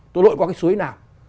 tôi lội qua cái suối nào